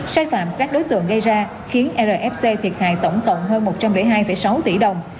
sai phạm các đối tượng gây ra khiến rfc thiệt hại tổng cộng hơn một trăm linh hai sáu tỷ đồng